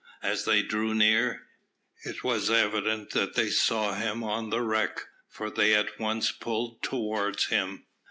As they drew near, it was evident that they saw him on the wreck, for they at once pulled towards him.